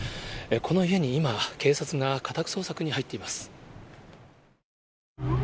この家に今、警察が家宅捜索に入っています。